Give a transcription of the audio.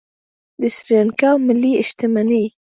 د سریلانکا ملي شتمني